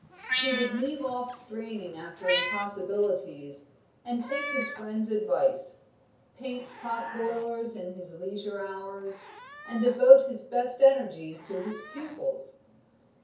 He would leave off straining after impossibilities, and take his friends' advice paint pot boilers in his leisure hours, and devote his best energies to his pupils.